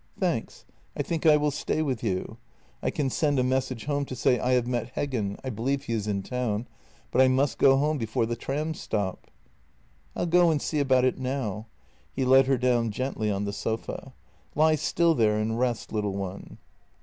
" Thanks. I think I will stay with you. I can send a message home to say I have met Heggen — I believe he is in town — but I must go home before the trams stop." " I'll go and see about it now." He let her down gently on the sofa. " Lie still there and rest, little one."